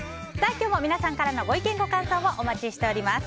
今日も皆様からのご意見ご感想をお待ちしております。